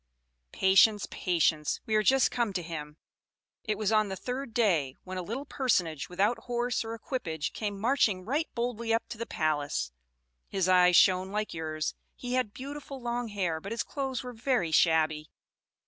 "Patience, patience; we are just come to him. It was on the third day when a little personage without horse or equipage, came marching right boldly up to the palace; his eyes shone like yours, he had beautiful long hair, but his clothes were very shabby."